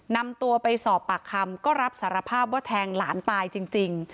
นำตัวไปสอบปากคำก็รับสารภาพว่าแทงหลานตายจริง